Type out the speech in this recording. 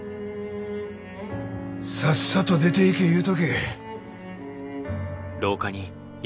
さっさと出ていけ言うとけ。